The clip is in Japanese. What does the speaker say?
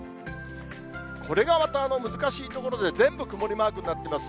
これがまた難しいところで、全部曇りマークになってます。